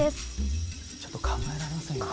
ちょっと考えられませんよね。